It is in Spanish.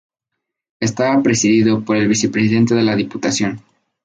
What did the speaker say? Estaba presidido por el Vicepresidente de la Diputación.